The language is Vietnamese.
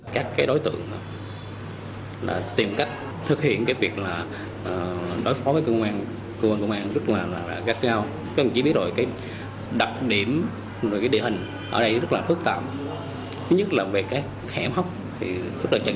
các đối tượng đã tìm cách thực hiện việc đối phó với công an